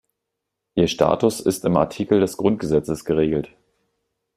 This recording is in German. Ihr Status ist im Artikel des Grundgesetzes geregelt.